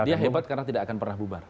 dia hebat karena tidak akan pernah bubar